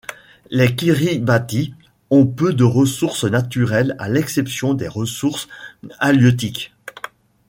Les Kiribati ont peu de ressources naturelles à l'exception des ressources halieutiques.